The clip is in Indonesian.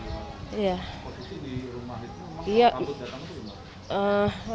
positif di rumah itu kabut datang itu gimana